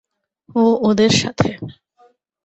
ও ওদের সাথে।